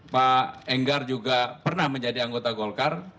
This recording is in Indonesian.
pak enggar juga pernah menjadi anggota golkar